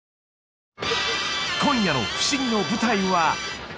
今夜のふしぎの舞台は？